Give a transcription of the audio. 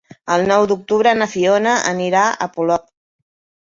El nou d'octubre na Fiona anirà a Polop.